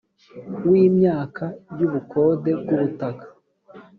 w imyaka y ubukode bw ubutaka